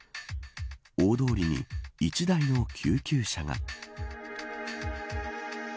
大通りに１台の救急車が。